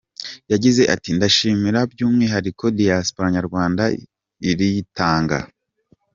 Yagize ati "Ndashimira by’umwihariko Diaspora nyarwanda iritanga, dukorana neza .